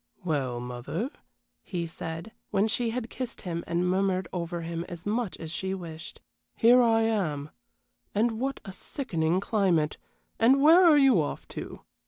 "Well, mother," he said, when she had kissed him and murmured over him as much as she wished. "Here I am, and what a sickening climate! And where are you off to?"